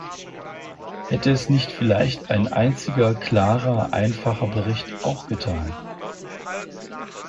Hätte es nicht vielleicht ein einziger klarer, einfacher Bericht auch getan?